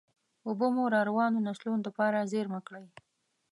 اوبه مو راروانو نسلونو دپاره زېرمه کړئ.